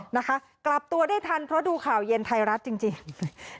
นะคะกลับตัวได้ทันเพราะดูข่าวเย็นไทยรัฐจริง